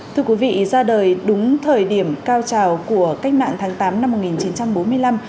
thưa quý vị ra đời đúng thời điểm cao trào của cách mạng tháng tám năm hai nghìn một mươi chín